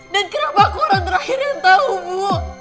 dan kenapa aku orang terakhir yang tau bu